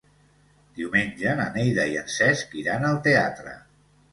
Diumenge na Neida i en Cesc iran al teatre.